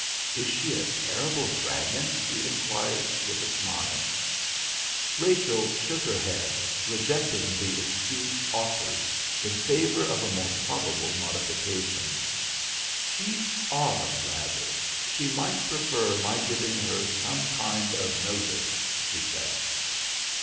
"Is she a terrible dragon?" he inquired with a smile. Rachel shook her head, rejecting the excuse offered in favour of a more probable modification. "She's odd rather. She might prefer my giving her some kind of notice," she said.